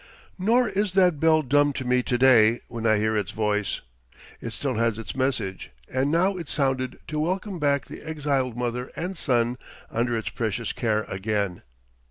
Nor is that bell dumb to me to day when I hear its voice. It still has its message, and now it sounded to welcome back the exiled mother and son under its precious care again.